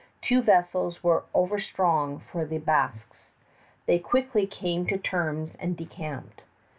Two vessels were overstrong for the Basques. They quickly came to terms and decamped.